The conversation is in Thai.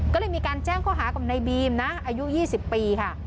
ก็เลยมีการแจ้งข้อหากับในบีมนะอายุ๒๐ปีค่ะ